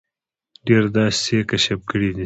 ډېر داسې څه یې کشف کړي دي.